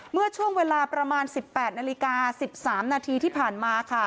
เมื่อช่วงเวลาประมาณ๑๘นาฬิกา๑๓นาทีที่ผ่านมาค่ะ